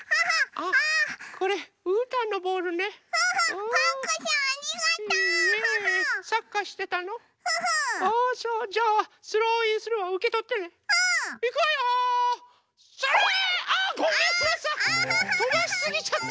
とばしすぎちゃった！